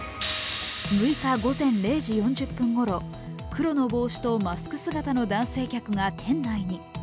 ６日午前０時４０分頃、黒の帽子とマスク姿の男性客が店内に。